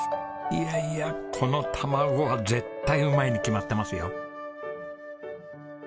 いやいやこの卵は絶対うまいに決まってますよ。